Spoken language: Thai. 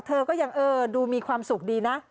เธอก็ยังเออดูมีความสุขดีนะ